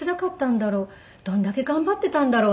どれだけ頑張っていたんだろうねって